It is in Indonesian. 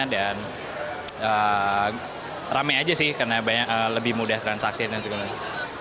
dan rame aja sih karena lebih mudah transaksi dan segala macam